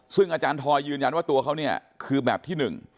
ซึ่งอาจารย์ทอยยืนยันว่าตัวเขาเนี่ยคือแบบที่๑